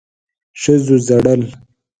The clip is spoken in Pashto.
ښځو ژړل.